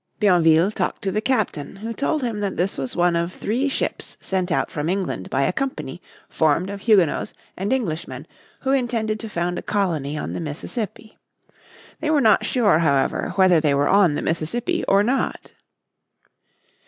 Bienville talked to the captain, who told him that this was one of three ships sent out from England by a company formed of Huguenots and Englishmen who intended to found a colony on the Mississippi. They were not sure, however, whether they were on the Mississippi or not.